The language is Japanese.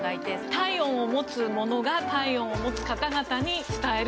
体温を持つものが体温を持つ方々に伝える。